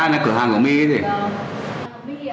ra nè cửa hàng của my ấy gì